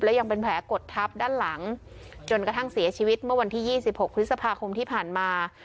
และยังเป็นแผลกดทับด้านหลังจนกระทั่งเสียชีวิตเมื่อวันที่๒๖พฤษภาคมที่ผ่านมา